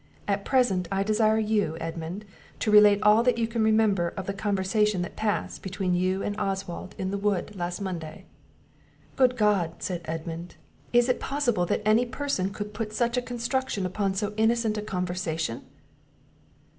At present I desire you, Edmund, to relate all that you can remember of the conversation that passed between you and Oswald in the wood last Monday." "Good God!" said Edmund, "is it possible that any person could put such a construction upon so innocent a conversation?"